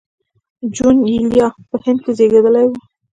جون ایلیا په هند کې زېږېدلی و